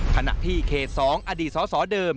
ถนาที่เขตสองอดีตสอเดิม